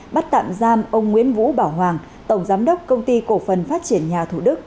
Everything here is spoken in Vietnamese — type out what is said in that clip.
bắt tạm giam ông nguyễn vũ bảo hoàng tổng giám đốc công ty cổ phần phát triển nhà thủ đức